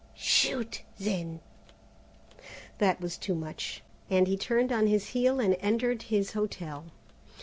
"Shoot, then." That was too much, and he turned on his heel and entered his hotel.